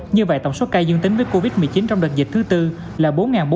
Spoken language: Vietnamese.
như vậy tổng số ca dương tính với covid một mươi chín trong đợt dịch thứ bốn là bốn bốn trăm bảy mươi tám